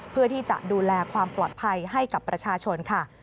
เพื่อที่จะดูแลความปลอดภัยให้กับประชาชนค่ะ